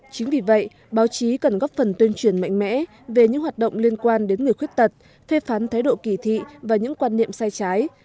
chính vì vậy báo chí cần góp phần tuyên truyền mạnh mẽ về những hoạt động liên quan đến người khuyết tật phê phán thái độ kỳ thị và những quan niệm sai trái